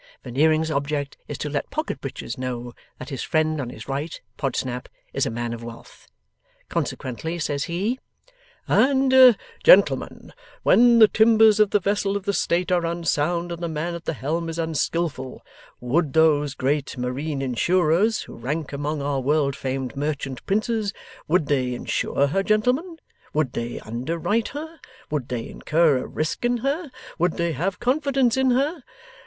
Veneering's object is to let Pocket Breaches know that his friend on his right (Podsnap) is a man of wealth. Consequently says he, 'And, gentlemen, when the timbers of the Vessel of the State are unsound and the Man at the Helm is unskilful, would those great Marine Insurers, who rank among our world famed merchant princes would they insure her, gentlemen? Would they underwrite her? Would they incur a risk in her? Would they have confidence in her?